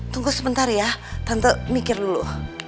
tunggu sebentar ya tentu mikir dulu